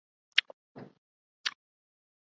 چالیس پچاس سالوں میں دنیا کی تقریبا نصف آبادی پر مزدور